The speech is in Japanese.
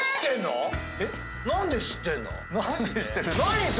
何で知ってんの？